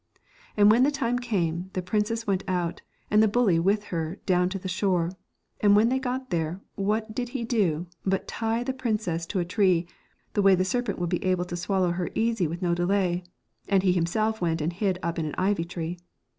And when the time came, the princess went out, and the bully with her down to the shore, and when they got there what did he do, but to tie the princess to a tree, the way the serpent would be able to swallow her easy with no delay, and he himself went and hid up in an ivy tree.